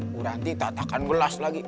buranti tatakan gelas lagi